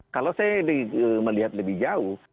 kalau saya melihat lebih jauh